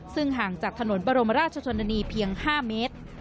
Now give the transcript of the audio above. ซึ่งห่างจากถนนบรมราชชนนานีเพียง๕เมตร